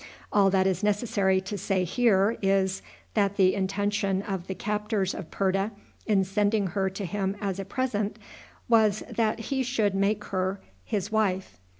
All that is necessary to say here is, that the intention of the captors of Purta, in sending her to him as a present, was that he should make her his wife.